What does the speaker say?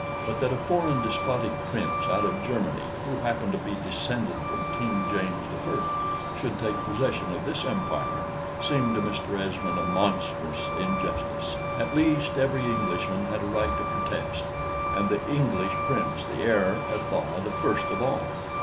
But that a foreign despotic Prince, out of Germany, who happened to be descended from King James the First, should take possession of this empire, seemed to Mr. Esmond a monstrous injustice at least, every Englishman had a right to protest, and the English Prince, the heir at law, the first of all.